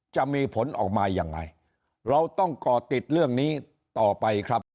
จะมีผลออกมายังไงเราต้องก่อติดเรื่องนี้ต่อไปครับ